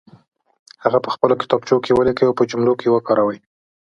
هغه په خپلو کتابچو کې ولیکئ او په جملو کې وکاروئ.